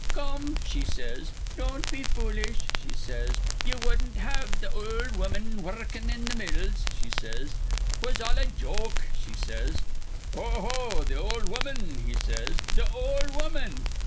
'Come,' she says, 'don't be foolish,' she says. 'Ye wudden't have th' ol' woman wurrukin' in th' mills,' she says. ''Twas all a joke,' she says. 'Oh ho, th' ol' woman!' he says. 'Th' ol' woman!